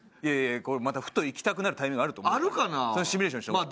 またふと行きたくなるタイミングあると思うからシミュレーションしておこう。